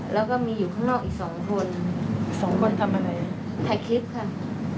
แล้วก็มีอยู่ข้างนอกอีกสองคนสองคนทำอะไรถ่ายคลิปค่ะ